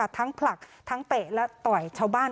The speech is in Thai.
ผลักทั้งเตะและต่อยชาวบ้าน